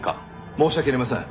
申し訳ありません。